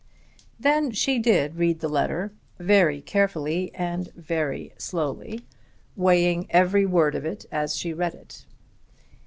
Then she did read the letter, very carefully and very slowly, weighing every word of it as she read it.